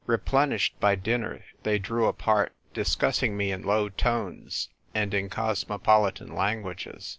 Replenished by dinner, they drew apart, discussing me in low tones and in cosmopoli tan languages.